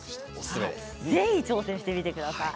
ぜひ挑戦してください。